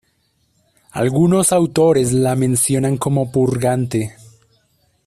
Algunos autores la mencionan como purgante.